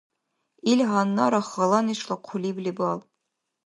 Ил гьаннара хала нешла хъулиб лебал.